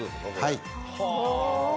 はい。